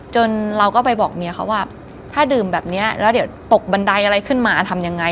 เราก็ไปบอกเมียเขาว่าถ้าดื่มแบบนี้แล้วเดี๋ยวตกบันไดอะไรขึ้นมาทำยังไง